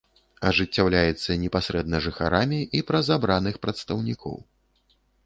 Ажыццяўляецца непасрэдна жыхарамі і праз абраных прадстаўнікоў.